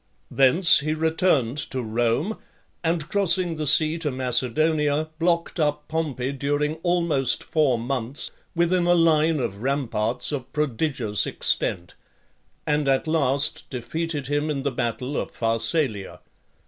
XXXV. Thence he returned to Rome, and crossing the sea to Macedonia, blocked up Pompey during almost four months, within a line of ramparts of prodigious extent; and at last defeated him in the battle of Pharsalia.